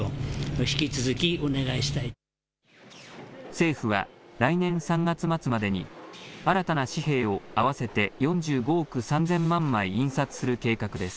政府は、来年３月末までに新たな紙幣を合わせて４５億３０００万枚印刷する計画です。